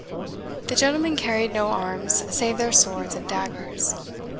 The gentlemen carried no arms save their swords and daggers.